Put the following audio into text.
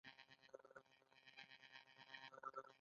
غوړې د وینې د فشار د کچې ساتلو لپاره ګټورې دي.